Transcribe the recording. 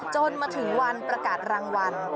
จนมาถึงวันประกาศรางวัล